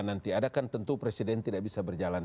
nanti adakan tentu presiden tidak bisa berjalan